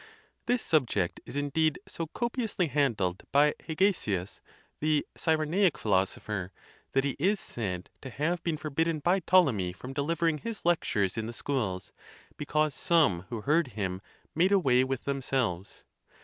This subject is indeed so copiously handled by Hegesias, the Cyrenaic philosopher, that he is said to have been forbid den by Ptolemy from delivering his lectures in the schools, because some who heard him made away with themselves.